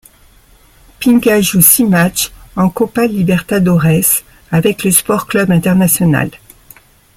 Pinga joue six matchs en Copa Libertadores avec le Sport Club Internacional.